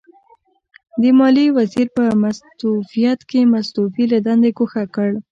د ماليې وزیر په مستوفیت کې مستوفي له دندې ګوښه کړ.